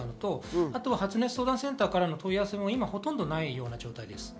発熱相談センターからの問い合わせもほとんどない状態です。